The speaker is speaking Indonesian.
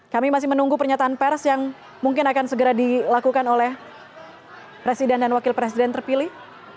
kami masih menunggu pernyataan pers yang mungkin akan segera dilakukan oleh presiden dan wakil presiden terpilih